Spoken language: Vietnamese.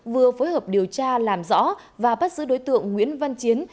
vừa phối hợp điều tra làm rõ và bắt giữ đối tượng nguyễn văn chiến